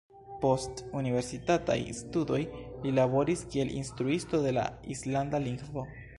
Post universitataj studoj li laboris kiel instruisto de la islanda lingvo.